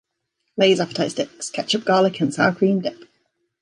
Lay's Appettite Stix: Ketchup, Garlic and Sour Cream Dip.